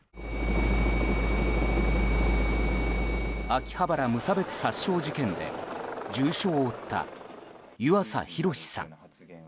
秋葉原無差別殺傷事件で重傷を負った湯浅洋さん。